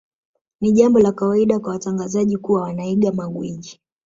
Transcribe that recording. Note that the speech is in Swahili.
Ni jambo la kawaida kwa watangazaji kuwa wanaiga magwiji